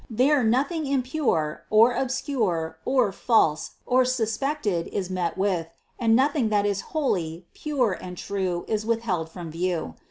There, nothing impure, or obscure, or false, or suspected is met with ; and nothing that is holy, pure and true is withheld from view.